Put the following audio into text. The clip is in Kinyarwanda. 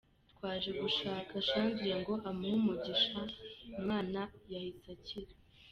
twaje gushaka Chandre ngo amuhe umugisha, umwana yahise akira.